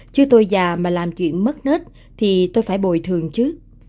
chứ tôi già mà làm chuyện mất hết thì tôi phải bồi thường chứ